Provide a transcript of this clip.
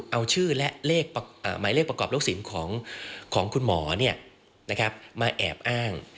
เอาชื่อและหมายเลขประกอบลูกศิลป์ของคุณหมอมาแอบอ้าง